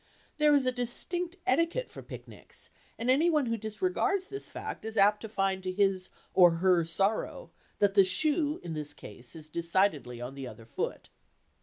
There is a distinct etiquette for picnics, and any one who disregards this fact is apt to find to his (or her) sorrow that the "shoe" in this case is decidedly "on the other foot."